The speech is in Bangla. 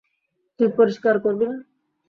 তুই পরিষ্কার করবি না?